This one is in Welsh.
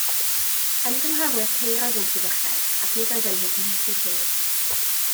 Ymgynghorwyr ceir oeddent i ddechrau, ac nid oedden nhw'n cynhyrchu ceir.